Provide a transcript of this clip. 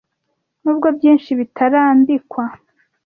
Nubwo byinshi bitarambikwa ?